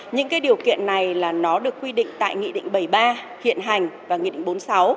những điều kiện này là nó được quy định tại nghị định bảy mươi ba hiện hành và nghị định bốn mươi sáu